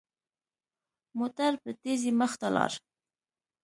موټر په تېزۍ مخ ته لاړ.